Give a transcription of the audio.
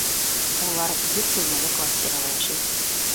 Улар дүрт бүлмәле квартирала йәшәй